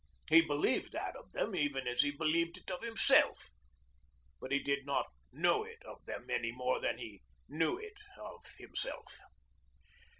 He believed that of them even as he believed it of himself but he did not know it of them any more than he knew it of himself.